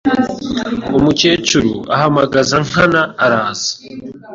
umukecuru ahamagaza Nkana araza